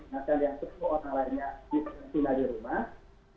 maka ada sepuluh orang lainnya yang di rumah